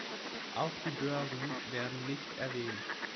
Auch die Börsen werden nicht erwähnt.